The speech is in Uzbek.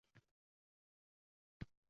Bu hunar, qolaversa, katta xarajat sanaladi.